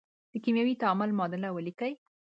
د کیمیاوي تعامل معادله ولیکئ.